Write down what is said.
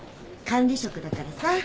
管理職だからさ。